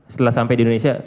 setelah sampai di indonesia